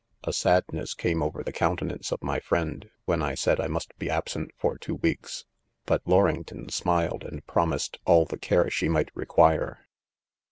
'" A sadness came over the countenance of my friend, when 1 said I^must he absent for two weeks; but Loringtota smiled, and prom ises all the care she mightVraquire.